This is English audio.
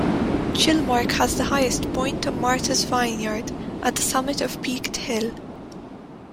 Chilmark has the highest point on Martha's Vineyard, at the summit of Peaked Hill.